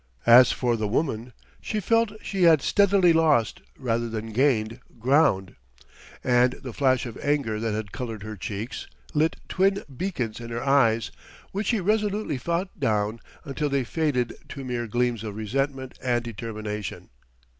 As for the woman, she felt she had steadily lost, rather than gained, ground; and the flash of anger that had colored her cheeks, lit twin beacons in her eyes, which she resolutely fought down until they faded to mere gleams of resentment and determination.